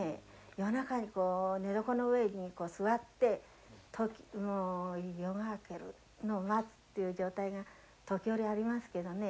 夜中にこう寝床の上に座ってもう夜が明けるのを待つっていう状態が時折ありますけどね。